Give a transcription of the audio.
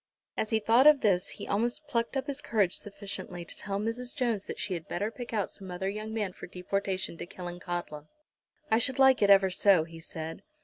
As he thought of this he almost plucked up his courage sufficiently to tell Mrs. Jones that she had better pick out some other young man for deportation to Killancodlem. "I should like it ever so," he said.